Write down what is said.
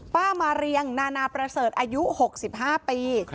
ป้ามาเรียงนานาประเสริฐอายุ๖๕ปี